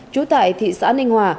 chú tại thị xã ninh hòa